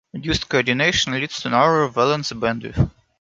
Reduced coordination leads to narrower valence bandwidth.